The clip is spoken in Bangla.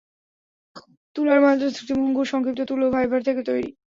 তুলার মাদ্রাজ একটি ভঙ্গুর সংক্ষিপ্ত তুলো ফাইবার থেকে তৈরী।